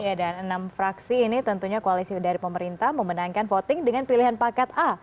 ya dan enam fraksi ini tentunya koalisi dari pemerintah memenangkan voting dengan pilihan paket a